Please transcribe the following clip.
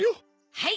はい。